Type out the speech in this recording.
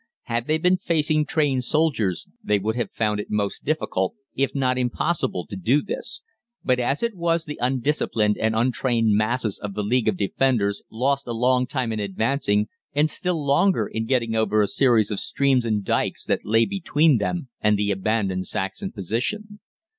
Had they been facing trained soldiers they would have found it most difficult, if not impossible, to do this; but as it was the undisciplined and untrained masses of the League of Defenders lost a long time in advancing, and still longer in getting over a series of streams and dykes that lay between them and the abandoned Saxon position.